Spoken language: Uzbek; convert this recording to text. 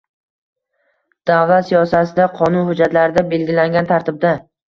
davlat siyosatida qonun hujjatlarida belgilangan tartibda